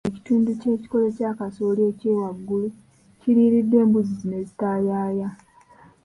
Ekitundu ky'ekikolo kya kasooli eky'ewaggulu kiriiriddwa embuzi zino ezitaayaaya.